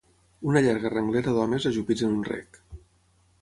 Una llarga renglera d'homes ajupits en un rec